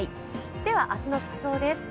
では、明日の服装です。